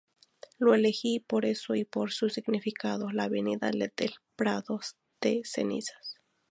Lo elegí por eso y por su significado: la avenida del prado de cenizas"".